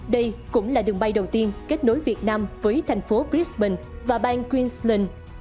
đây cũng là đường bay đầu tiên kết nối việt nam với thành phố chrisbank và bang queensland